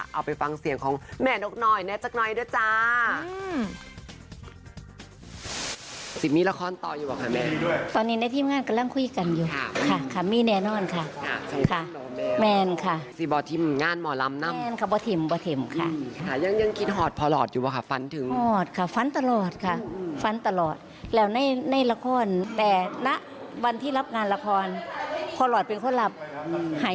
เอาไปฟังเสียงของแม่นกน้อยแนะสักหน่อยด้วยจ้า